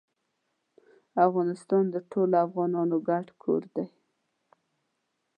افغانستان د ټولو افغانانو ګډ کور دی